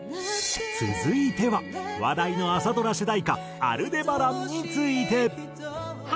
続いては話題の朝ドラ主題歌『アルデバラン』について。